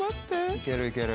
いけるいける。